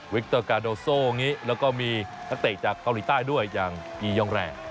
วิกเตอร์กาโดโซแล้วก็มีนักแตกจากเกาหลีใต้ด้วยอย่างอียองแรง